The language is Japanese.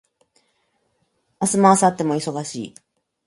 明日も明後日も忙しい